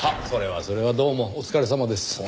それはそれはどうもお疲れさまです。